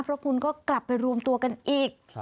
เพราะคุณก็กลับไปรวมตัวกันอีก